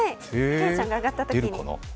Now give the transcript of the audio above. テンションが上がったときに。